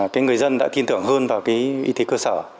cái người dân đã tin tưởng hơn vào cái y tế cơ sở